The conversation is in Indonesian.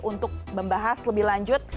untuk membahas lebih lanjut